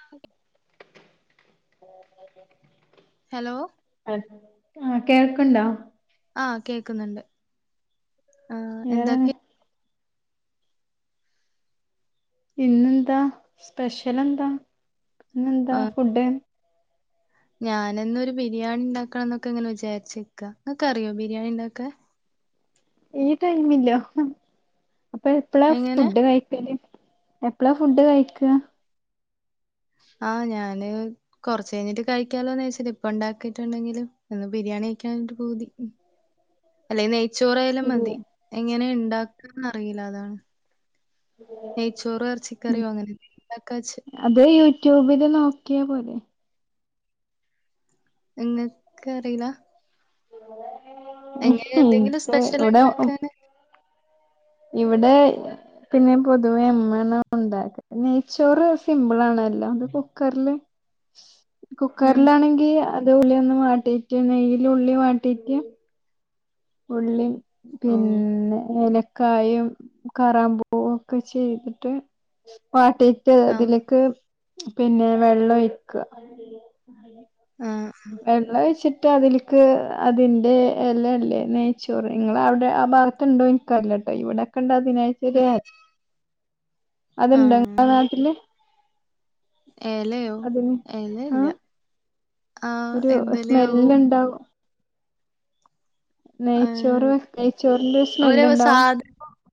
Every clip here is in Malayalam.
ആഹ് ഓക്കേ ഹലോ ആഹ് കേൾക്ക്ണ്ടോ? ആഹ് കേക്ക്ന്ന്ണ്ട്. ആഹ് വേറെ എന്തൊക്കെ? ഇന്നെന്താ? സ്പെഷ്യലെന്താ? ഇന്നെന്താ ഫുഡ്ഡ്? ഞാന് ന്നൊരു ബിരിയാണിണ്ടാക്കണം ന്നൊക്കെങ്ങനെ വിചാരിച്ച്ക്കാ ഇങ്ങക്കറിയോ ബിരിയാണിണ്ടാക്കാൻ? ഈ ടൈമിലോ അപ്പ എപ്പളാ എങ്ങനെ ഫുഡ്ഡ് കഴിക്കല്? എപ്പളാ ഫുഡ്ഡ് കഴിക്കാ? ആഹ് ഞാന് കൊറച്ചെയ്ഞ്ഞിട്ട് കഴിക്കാലോന്ന് വെച്ചിട്ട്. ഇപ്പണ്ടാക്കിട്ട്ണ്ടെങ്കില് ഇന്ന് ബിരിയാണി കയിക്കാനൊര് പൂതി. അല്ലേങ്കി നെയ്ച്ചോറായാലും മതി. എങ്ങനേ ഇണ്ടാക്കാന്നറീല അതാണ്. നെയ്ച്ചോറും എർച്ചിക്കറിയോ അങ്ങനെന്തെങ്കിലുംണ്ടാക്കാച്ച് അത് യൂട്യൂബില് നോക്കിയാ പോരേ? ഇങ്ങക്ക് അറീലാ ഇക്ക് എന്തെങ്കിലും സ്പെഷ്യൽ ഇവടേ ഉ ഉണ്ടാക്കാന് ഇവിടേ പിന്നെ പൊതുവേ ഇമ്മേണ് ഉണ്ടാക്ക. നെയ്ച്ചോർ സിമ്പിൾ ആണ്. അത് കുക്കർല്. ആഹ് കുക്കർലാണെങ്കി അത് ഉള്ളി ഒന്ന് വാട്ടീറ്റ് നെയ്യിൽ ഉള്ളി വാട്ടീറ്റ് ഉള്ളീം ഓഹ് പിന്നെ ഏല ക്കായും കറാമ്പൂവൊക്കെ ചേർത്തിട്ട് വാട്ടി ട്ട് ആഹ് അതിലക്ക് പിന്നെ വെള്ളം ഒയിക്ക ആഹ് ആഹ് വെള്ളം ഒയിച്ചിട്ട് അതില്ക്ക് അതിന്റെ എലല്ലേ? നെയ്ച്ചോറ് ഇങ്ങളവടെ ആ ഭാഗത്തുണ്ടോ ഇന് ക്കറിലട്ടോ. ഇവിടെക്കെണ്ട് അതിനായിറ്റൊരു എല അത്ണ്ടോ ഇങ്ങളെ ആഹ് നാട്ടില്? എലയോ അതിന് ആ എലല്ല. ആഹ് എന്തെലയാവോ? ണ്ടാവോ നെയ്ച്ചോറ് ഏഹ് വെക് നെയ്ച്ചോറിന്റൊര് സ്മെല്ല്ണ്ടാവും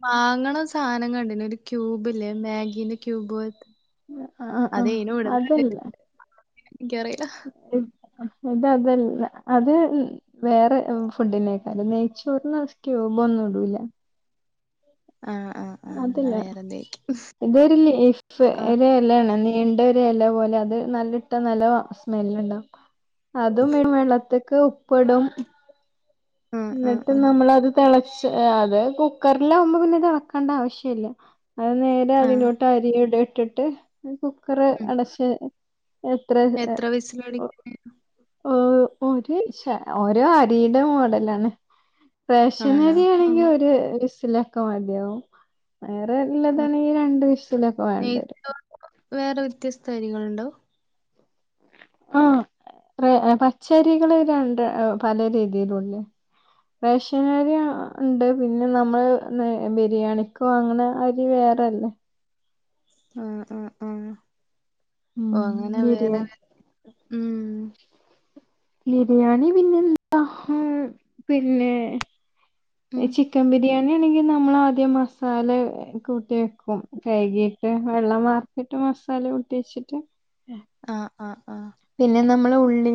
മാങ്ങ്ണ സാനം കണ്ടീന്നൊര് ക്യൂബ് ല്ലേ മാഗീന്റെ ക്യൂബോല്ത്തെ. ആ ആ അതേയ്നോ ഇടന്ന് കണ്ടിട്ടുണ്ട്. എനിക്കറീല ഇ ഇത് അതല്ല. അത് മ് വേറെ ഏഹ് ഫുഡ്‌ഡിനേക്കാരം നെയ്ച്ചോറിന് സ്ക്യൂബൊന്നുടൂല. ആഹ് ആഹ് ആഹ് എന്നാ അതല്ല വേറെന്തേക്കും ഇതൊര് ലേ പ്പ് ആഹ് ഒര് എലേണ് നീണ്ട ഒരു എല പോലെ. അത് നല്ലിട്ട നല്ല വാ സ്മെല്ല്ണ്ടാവും. അതും [unintelligible] വെള്ളത്ത്ക്ക് ഉപ്പ്ടും. ആഹ് എന്നിട്ട് ആഹ് ആഹ് നമ്മളത് തളച്ച് അത് കുക്കറിലാകുമ്പോ പിന്നെ തളക്കണ്ട ആവശ്യല്യാ. അത് നേരെ ആഹ് അതിലോട്ട് അരിയുടെ ഇട്ടിട്ട് ഈ കുക്കറ് ഉം അടച്ച് എത്ര ത് ഓഹ് ഓഹ് ഒരു ശ ഓരോ അരിടെ മോഡലാണ്. ആണോ റേഷനരി ആണെങ്കി ആഹ് ഒര് വിസിലൊക്കെ മതിയാവും. വേറെ ആഹ് ഇള്ളതാണെങ്കി ഈ രണ്ട് വിഷിലൊക്കെ വേണ്ടേരും നെയ്‌ച്ചോറിന് വേറെ വ്യത്യസ്ത അരികൾ ഉണ്ടോ? ആഹ് റേ പച്ചരികള് രണ്ട് ഏഹ് പല രീതിയിലുല്ലേ? റേഷനരി ആഹ് ഒണ്ട്. പിന്നെ നമ്മള് ഏഹ് ബിരിയാണിക്ക് വാങ്ങണ അരി വേറല്ലേ? ആഹ് ആഹ് ആഹ്. ഉം ഓഹ് അങ്ങനെ വേറെ ബിരിയാണി ഉം ബിരിയാണി പിന്നെന്താ പിന്നെ ഉം ചി ചിക്കൻ ബിരിയാണി ആണെങ്കിൽ നമ്മൾ ആദ്യം മസാല കൂട്ടി വെക്കും കഴുകിയിട്ട് വെള്ളം വാർ ട്ട് മസാല കൂട്ടി വെച്ചിട്ട് ആഹ് ആഹ് ആഹ് പിന്നെ നമ്മള ഉള്ളി,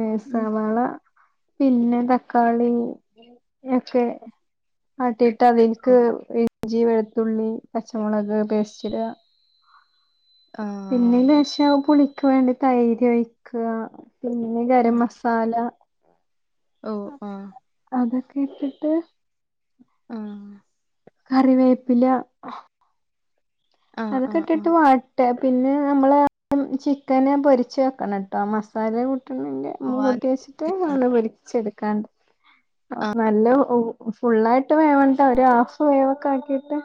ഏ ഉം സവാള പിന്നെ തക്കാളി ഒക്കെ വാട്ടിയിട്ട് അതിലേക്ക് ഓഹ് ഇഞ്ചി വെളുത്തുള്ളി പച്ചമുളക് പേസ്റ്റിടുക. പിന്നെ ആഹ് അയിൻ്റെശേഷം പുളിക്ക് വേണ്ടി തൈര് ഒഴിക്ക പിന്നെ ഗരം ഉം മസ സാല ഓഹ് ആഹ് അതൊക്കെ ഇട്ടിട്ട് ആഹ് കറിവേപ്പില ആഹ് അതൊക്കെ ആഹ് ആഹ് ഇട്ടിട്ട് വാട്ട പിന്നെ നമ്മൾ ചിക്കന് പൊരിച്ച് വെക്കണം കേട്ടോ ആ മസാല കൂട്ടണമെങ്കിൽ പോവാൻ മുട്ടി വെച്ചിട്ട് നിക്കണം അങ്ങട് പെരിച്ചെടുക്കാണ്ട് നല്ല ഫുള്ളായിട്ട് വേവണ്ട ഒരു ഹാഫ് വേവ്ഒക്കെ ആക്കിട്ട്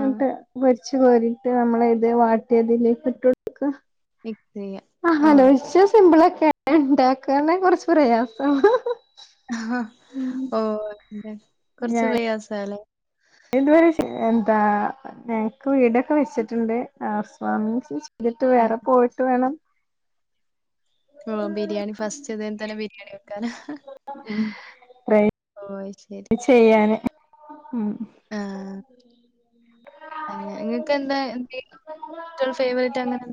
ആഹ് എന്നിട്ട് പെരിച്ച്കോരിട്ട് നമ്മള് ഇത് വാട്ടിയതിലേക്ക് ഇട്ട് കൊടുക്ക. മിക്സയ്യ ആലോചിച്ച സിമ്പിളൊക്കെ ഉണ്ടാക്കാൻകൊറച്ച് പ്രയാസാ. ഓ അതെല്ലേ കൊറച്ച് ഞാൻ പ്രയാസല്ലേ? ഇതുവരെ എന്താ ഞങ്ങക്ക് വീടൊക്കെ വെച്ചിട്ടുണ്ട് ഹൗസ് വാ മിങ്ങ് എന്നിട്ട് വേറെ ആഹ് പോയിട്ട് വേണം. ബിരിയാണി ഫസ്റ്റ് ഇതേ തന്നെ ബിരിയാണി വെക്കാന്. ഉം ട്രൈ ഓ അഹ് ശരി ചെയ്യാന് ഉം ആഹ് അങ്ങനെ നിങ്ങക്ക് എന്താ എന്തേലും ഫേവറേറ്റ് അങ്ങനെ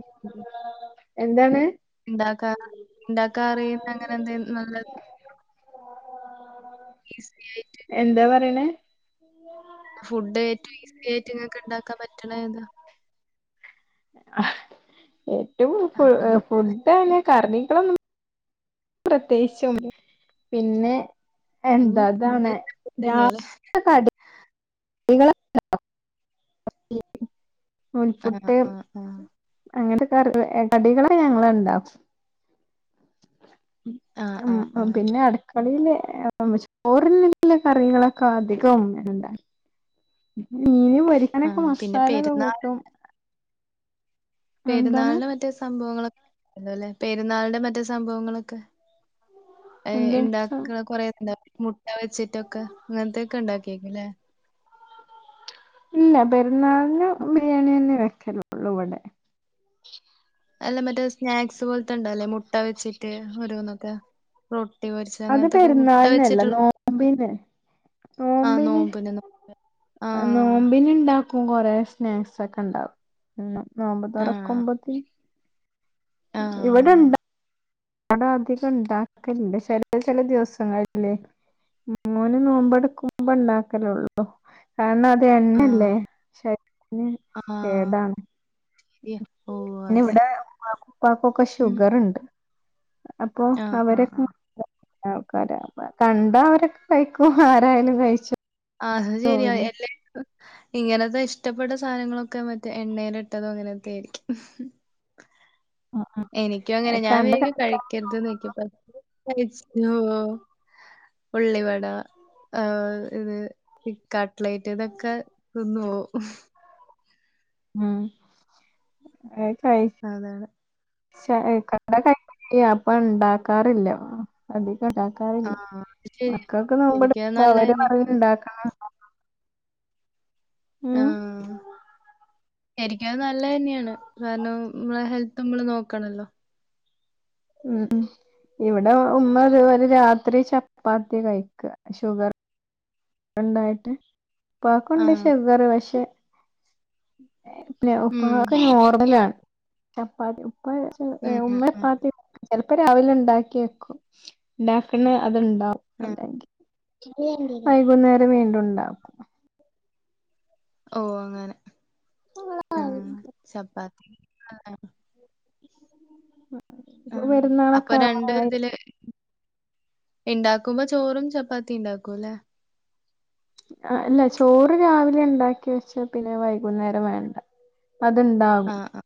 എന്താണ്? ഇണ്ടാക്കാ ഇണ്ടാക്കാ അറിയുന്ന അങ്ങനെ എതേലു നല്ലത് ഈസി ആയിട്ട് എന്താ പറിണേ? [inaudible] ഫുഡ് ഏറ്റും ഈസി ആയിട്ട് ഇങ്ങക്ക് ഇണ്ടാക്കാൻ പറ്റ്ണ ഏതാ? ഏറ്റവും ഫു ആഹ് ഫുഡ് അണെ കറികളെന്നും പ്രത്യേകിച്ചുന്നുല്ല പിന്നെ അങ്ങനെ എന്താ ഇതാണ് ഇങ്ങനത്തെ ഫുഡ് തന്നെയാല്ലേ [unintelligible] [unintelligible] ആഹ് നൂൽപുട്ട് ആഹ് ആഹ് അങ്ങനത്തെ കറി കടികളെ ഞങ്ങൾഉണ്ടാക്കും. ആഹ് ഉം ആഹ് ആഹ് പിന്നെ അടക്ക കളിയിലെ ചോറിനുള്ള കറികളൊക്കെ അധികം ഉമ്മയാണ് ഉണ്ടാക്ക മീൻ പൊരിക്കാനൊക്കെ ആഹ് പിന്നെ മസാല ഒക്കെ പെരുന്നാൾ കൂട്ടും എന്താണ് പെരുന്നാളിന് മറ്റേ സംഭവങ്ങളൊ [unintelligible] അല്ലെ പെരുന്നാളിന്‌ മറ്റേ സംഭവങ്ങളൊക്കെ എന്ത് ഇണ്ടാക്ക്ണ കൊറെ ന്താ കുറെ മുട്ട വെച്ചിട്ടൊക്കെ അങ്ങനത്തൊക്കെ ഉണ്ടാക്കി കേക്കുല്ലെ ഇല്ല പെരുന്നാളിന് ബിരിയാണി തന്നെ വെക്കലുള്ളൂ ഇവടെ അല്ല മറ്റേ സ്നാക്സ് പോലത്തെ ഇണ്ടല്ലേ മുട്ട വെച്ചിട്ട് ഒരോന്നൊക്കെ അത് പെരുന്നാളിനല്ല, വെച്ചിട്ടുള്ള നോമ്പിന്. ആഹ് നോമ്പിന് നോ ആഹ് നോമ്പിന് ഉണ്ടാക്കു കൊറേ സ്നാക്സ് ഒക്കെ ഉണ്ടാവും എന്നും നോമ്പ് ആഹ് തുറക്കുമ്പോത്തിന് ആഹ് ഇവിടെണ്ട ഇവടെ അധികം ഉണ്ടാക്കലില്ല ചെലത് ചെല ദിവസങ്ങളില് മോന് നോമ്പ് എടുക്കുമ്പോ ഇണ്ടാക്കലുള്ളൂ കാരണം അത് എണ്ണല്ലെ ആഹ് ശരീരത്തിന് ആഹ് കേടാണ് ശരിയാ ഓഹ് പിന്നെ അതെ ഇവിടെ ഉമ്മാക്കും ഉപ്പാക്കൊക്കെ ഉം ഷുഗർ ഉണ്ട് അപ്പോ ആഹ് ആഹ് അവരെക്ക് ആഹ് [unintelligible] കണ്ട അവരൊക്കെ കഴിക്കും ആരായാലും കഴിച്ചു ആഹ് അത് ശരിയ പോവില്ലേ എല്ലാ ഇങ്ങനത്തെ ഇഷ്ടപ്പെട്ട സാധനങ്ങളൊക്കെ മറ്റേ എണ്ണയില് ഇട്ടതും അങ്ങനത്തെയൊക്കെ ആയിരിക്കും എനിക്കും അങ്ങനെ ഞാൻ കണ്ട വിചാരിക്കും കണക്കാ കഴിക്കരുത് എന്ന് [unintelligible] കഴിച്ചു പോവും ഉള്ളിവട ഇത് കട്ട്ലൈറ്റ് ഇതൊക്കെ തിന്നു പോവും ഉം [unintelligible] അതെ അതെ [unintelligible] അപ്പോ ഉണ്ടാക്കാറില്ല അധികം ഇണ്ടാക്ക ആ റില്ല ശരി മക്കൾക്ക് നോമ്പ് ശരിക്കും അത് എടുക്കുമ്പോ നല്ല അവര് തന്നെ പറയും ഉണ്ടാക്കണം ഉം ആഹ് ശരിക്കും അത് നല്ലത് തന്നെയാണ് കാരണം നമ്മളെ ഹെൽത്ത് നമ്മള് നോക്കണല്ലോ ഉം ഇവടെ ഉമ്മ ഒരു രാത്രി ചപ്പാത്തി കഴിക്കാ ഷുഗർ ഉണ്ടായിട്ട് ആ ഇപാക്കുണ്ട് ശുഗർ പക്ഷെ പിന്നെ ഉം ഉപ്പാക്ക് നോർമലാണ് ചപ്പാത്തി ഉപ്പ ഉം ഉം, ഉമ്മ ഉം, ചപ്പാത്തി ചിലപ്പോ രാവിലെ ഉണ്ടാക്കി വെക്കും ഉണ്ടാക്കുന്നെ അത്ണ്ടാവും ഉം. അല്ലെങ്കിൽ വൈകുന്നേരം വീണ്ടും ഉണ്ടാക്കും ഓ അങ്ങനെ ആഹ് ചപ്പാത്തി ആഹ് ആ ഇപ്പൊ അപ്പോ പെരുന്നാളൊക്കെ രണ്ട് ഒരു ആവാറായി ഇതില് ഉണ്ടാക്കുമ്പോ ചോറും ചപ്പാത്തിയും ഉണ്ടാക്കും ലെ ആഹ് അല്ല ചോറ് രാവിലെ ഉണ്ടാക്കി വെച്ച പിന്നെ വൈകുന്നേരം വേണ്ട ആ അത്ണ്ടാകും ആ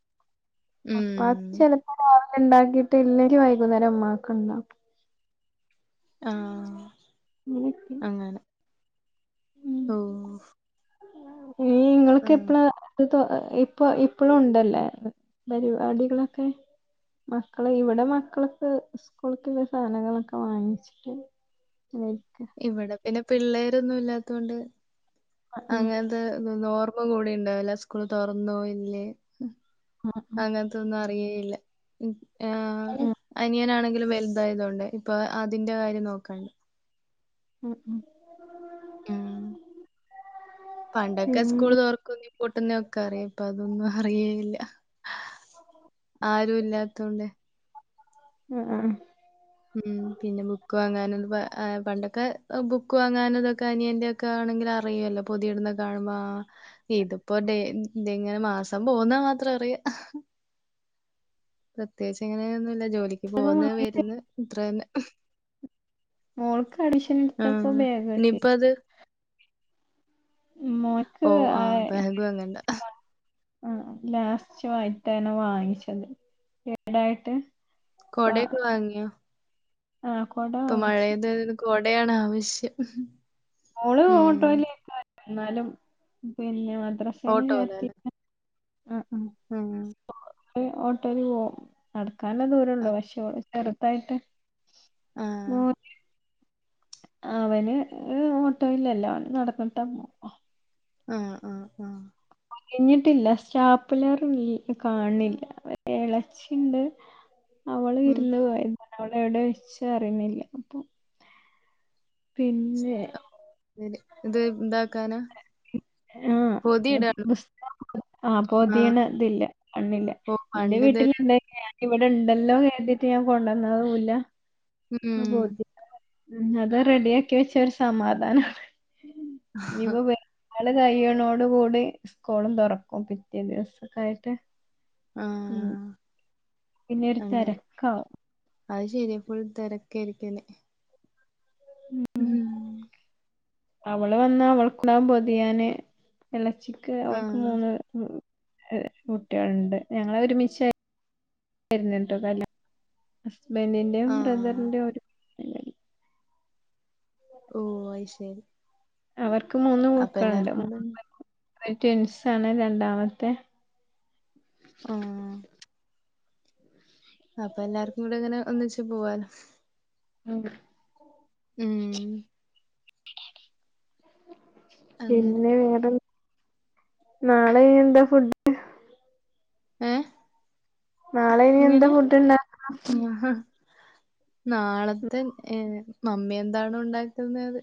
ചപ്പാ ത്തി ഉം ചിലപ്പോ രാവിലെ ഉണ്ടാക്കിയിട്ട്ല്ലെങ്കിൽ വൈകുന്നേരം ഉമ്മാക്ക് ഉണ്ടാക്കും ആഹ് അങ്ങനെയൊക്കെ അങ്ങനെ ഉം ഓഹ് നിങ്ങൾക്ക് എപ്പളാ ഇപ്പ ഇപ്പഴും ഉണ്ടല്ലെ പരിപാടികളൊക്കെ മക്കള് ഇവിടെ മക്കളൊക്കെ സ്കൂൾക്കുള്ള സാധനങ്ങളൊക്കെ വാങ്ങിച്ചിട്ട്ണ്ട് അതൊക്കെ ഇവടെ പിന്നെ പിള്ളേരൊന്നും ഇല്ലാത്തത് കൊണ്ട് ആഹ് അങ്ങനെ ത്തെ ഓർമ്മ കൂടി ഉണ്ടാവില്ല സ്കൂൾ തുറന്നോ ഇല്ലേ ആഹ് അങ്ങന ത്തൊന്നും അറിയേയില്ല ആഹ് അനിയനാണെങ്കിൽ വലുതായത് കൊണ്ടെ ഇപ്പോ അതിന്റെ കാര്യം നോക്കണ്ട ഉം ഉം ഉം പണ്ടൊക്കെ സ്കൂൾ പിന്നെ തൊർക്കെങ്കി പൂട്ടുന്നൊക്കെ അറിയാ ഇപ്പ അതൊന്നും അറിയേയില്ല ആരും ഇല്ലാത്തോണ്ടെ ആഹ് ആഹ് ഉം പിന്നെ ബുക്ക് വാങ്ങാന പണ്ടൊക്കെ ബുക്ക് വാങ്ങാനതൊക്കെ അനിയന്റെ ക്കെ ആണെങ്കിൽ അറിയല്ലോ പൊതിയടുന്ന കാണുമ്പോ ഇതിപ്പോ ഡെ ഇത് ഇങ്ങനെ മാസം പോകുന്നത് മാത്രം അറിയ പ്രത്യേകിച്ച് ഇങ്ങനെയൊന്നുല്ല ജോലിക്ക് പുസ്തകം പോകുന്ന്‌ വാങ്ങിച്ച് വര്ന്ന്‌ അത്രന്നെ മോൾക്ക് അഡ്മിഷൻ എടുത്തപ്പോ ആഹ് ബാഗ് കിട്ടി ഇനിയിപ്പ അത് മോന്ക്ക് ഓ ആഹ് ബാഗ് വാങ്ങണ്ട [unintelligible] ആ ലാസ്റ്റ് വൈട്ടാണ് വാങ്ങിച്ചത് കെടായിട്ട് കൊടൊക്കെ വാങ്ങിയോ ആഹ കൊട ഇപ്പൊ വാങ്ങിച്ചു മഴയത് കൊടയാണ് ആവശ്യം മോള് ഉം ഓട്ടോയിലേക്കാ ന്നാലും പിന്നെ മദ്രസ് ഫ്രണ്ട്‌ലിയാർ ഓട്ടോയിലല്ലേ [unintelligible] ആ ഹ് ഉം ഓ ഓട്ടോയില് പോവും നടക്കാള്ള ദൂരള്ളൂ ആഹ് പക്ഷേഓള് ചെറുതായിട്ട് മോ ആഹ് അവന് ഓട്ടോ ഇലല്ല അവന് നടന്നിട്ട പോ ആ അഹ് ആ അഹ് കഴിഞ്ഞിട്ടില്ല സ്റ്റാപ്പുലർ ഇൽ കാൺല്ല്യ ച്ചിണ്ട് അവള് ഉം വിരുന്ന് പോയതാ അവള് എവിടെ വെച്ച അറിയുന്നില്ല അപ്പൊ പിന്നെ സ്റ്റപ്ളേയർ ഇത് എന്താക്കാനാ ആഹ് ആ ആഹ് പൊതിയണ ഇതില്ലേ കണ്ണില്ല ഓ എന്റെ പണ്ട് വീട്ടിൽ ഇതൊരു ഇണ്ടെങ്കി ഞാൻ ഇവിടെണ്ടല്ലോ കരുതീട്ട് ഞാൻ കൊണ്ടന്നതും ഇല്ല്യ അ ഉം പൊതിയാനാ അത് റെഡി ആക്കി വെചാ ഒരു സമാധാനമാണ് ഇഞ്ഞിപ്പോ നാള് കയ്യണോട് കൂടി സ്കൂളും തൊ റക്കും പിറ്റേ ദിവസൊക്കായിട്ട് ആ മ് പിന്നെരു അങ്ങനെ തെരക്കാവും അത് ശരിയാ ഫുൾ തെരക്കയര്ക്കും ഇനി ഹുഹുമ് അവള് വന്നാ അവൾക്ക്ണ്ടാവും പൊതിയാന് എളച്ചിക്ക് ആ അവൾക്ക് മൂന്ന് കുട്ടികളുണ്ട് ഞങ്ങള് ഒരുമിചായ്ര് ന്ന്ട്ടാ കല്യാണം ഹസ്ബൻറിന്റെയും ആ ബ്രദറിന്റെയും ഒരു പെങ്ങളുണ്ട്. ഓ അയ്ശരി അവർക്ക് മൂന്ന് മക്കളുണ്ട് കൂടെ മൂന്ന് ഒന്ന് പെൺകുട്ടികളാ ട്വിൻസ് ആണേ രണ്ടാമത്തെ ആഹ് അപ്പൊ എല്ലാർക്കും കൂടെ അങ്ങനെ ഒന്നിച്ച് പോവാലോ അഹ് ഉം അങ്ങനെ പിന്നെ വേറെ നാളെ നി എന്താ ഫുഡ് ഏഹ് നാളെ ഇനി എന്താ ഫുഡ് ഇണ്ടാക്കാ ഞാ- നാളത്തെ ഏ മമ്മി എന്താണോ ഉണ്ടാക്കുന്നെ അത്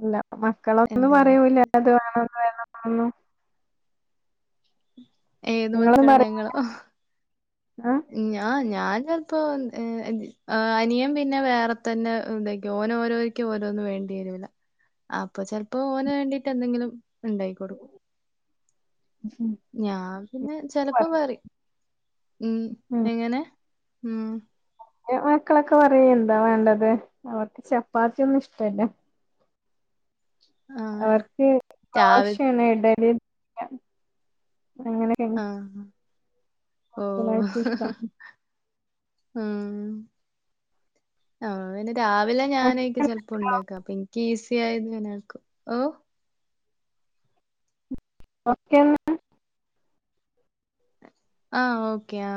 അല്ല മക്കളൊന്നും എന്തേലും പറയൂലെ അത് വേണം ഇത് വേണന്നൊന്നും ഏത് നിങ്ങള് മക്കള് പറയോ ഞങ്ങളോ ആഹ് ഞാ ഞാൻ ചെൽപ്പോ ഏ അനിയൻ പിന്നെ വേറെ തന്നെ എന്തൊക്ക ഓനോരോ യ്ക്കോ ഓരോന്നും വേണ്ടി വരൂല അപ്പൊ ചെൽപ്പോ ഓന് വേണ്ടിട്ട് എന്തെങ്കിലും ഉണ്ടായി കൊടുക്കും ഞാൻ പിന്നെ ചെലപ്പോ പറിമ് മ് എങ്ങനെ മ് എ ഓ ഇക്കാക്ക പറയും എന്താ വേണ്ടത് അവർക്ക് ചപ്പാത്തിയ ഒന്നും ഇഷ്ടല്ല ആഹ് അവർക്ക് രാവിൽ ദോശയാണ് ഇഡലി ല്ല അങ്ങനെ ആഹ് ഓ ഓ കൂടുതലായിട്ട് ഇഷ്ടം ആഹ് മം ആ പിന്നെ രാവിലെ ഞാനേക്ക് ഓക്കെ ചി ലപ്പോ ഉണ്ടാക്കാം അപ്പ എനിക്ക് ഈസി ആയത് ന ആക്കും ഓ ഓക്കെ ആ ഓക്കെയാ